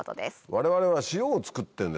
我々は。